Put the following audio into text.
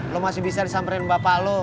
lo masih bisa disampaikan bapak lo